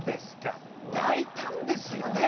大胆ですよね。